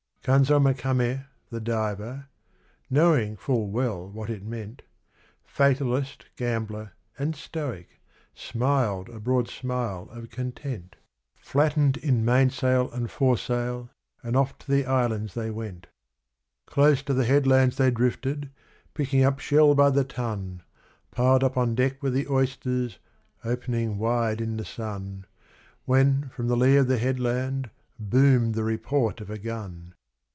Kanzo Makame, the diver knowing full well what it meant Fatalist, gambler, and stoic, smiled a broad smile of content, Flattened in mainsail and foresail, and off to the Islands they went. Close to the headlands they drifted, picking up shell by the ton, Piled up on deck were the oysters, opening wide in the sun, When, from the lee of the headland, boomed the report of a gun.